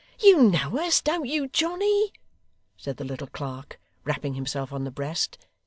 'You know us, don't you, Johnny?' said the little clerk, rapping himself on the breast.